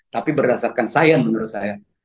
tapi berdasarkan sains menurut saya